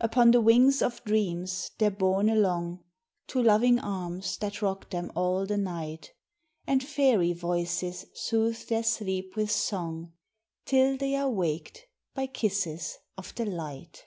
Upon the wings of dreams they're borne along To loving arms that rock them all the night, And fairy voices soothe their sleep with song, Till they are waked by kisses of the light.